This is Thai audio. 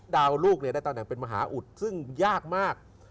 ดาวน์ลูกได้ตำแหน่งเป็นมหาอุทธิ์ซึ่งยากมาก